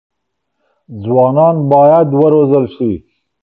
ځوانان بايد وروزل سي.